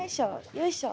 よいしょ！